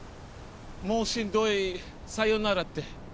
「もうしんどいさようなら」って。